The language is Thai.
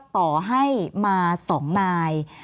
ต่อให้มา๒นาย